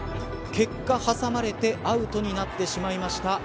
結果，挟まれてアウトになってしまいました。